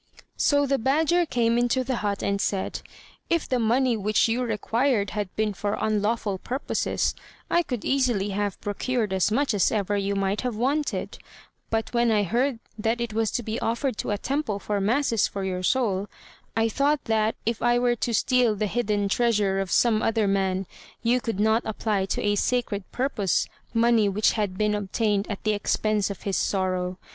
So the badger came into the hut and said: "If the money which you required had been for unlawful purposes, I could easily have procured as much as ever you might have wanted; but when I heard that it was to be offered to a temple for masses for your soul, I thought that, if I were to steal the hidden treasure of some other man, you could not apply to a sacred purpose money which had been obtained at the expense of his sorrow.